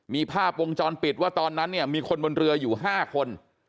มีภาพวงจรปิดว่าตอนนั้นเนี่ยมีคนบนเรืออยู่๕คน